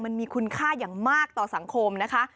มันมีคุณค่าอย่างมากต่อสังคมนะคะ